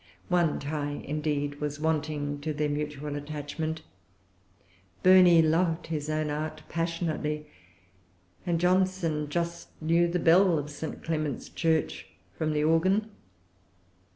One tie, indeed, was wanting to their mutual attachment. Burney loved his own art passionately; and Johnson just knew the bell of St. Clement's church from the organ.